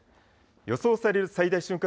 予想される最大瞬間